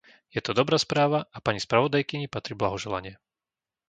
Je to dobrá správa a pani spravodajkyni patrí blahoželanie.